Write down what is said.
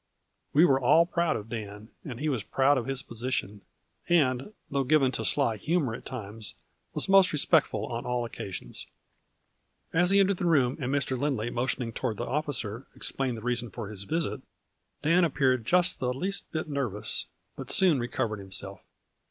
We were all proud of Dan, and he was proud of his position, and, though given to sly humor at times, was most respectful on all occasions. As he entered the room and Mr. Lindley motioning toward the officer, explained the reason of his visit, Dan appeared just the least bit nervous, but soon recovered himself.